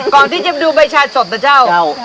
ก่อนที่จะไปดูใบชาสดนะเจ้า